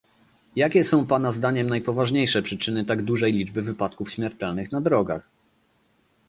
Jakie są pana zdaniem najpoważniejsze przyczyny tak dużej liczby wypadków śmiertelnych na drogach?